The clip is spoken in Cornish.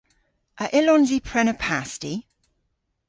A yllons i prena pasti?